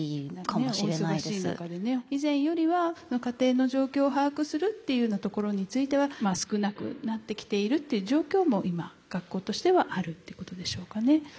以前よりは家庭の状況を把握するっていうようなところについては少なくなってきているっていう状況も今学校としてはあるっていうことでしょうかね。